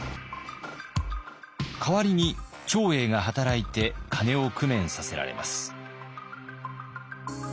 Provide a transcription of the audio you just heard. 代わりに長英が働いて金を工面させられます。